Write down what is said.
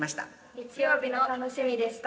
日曜日の楽しみでした。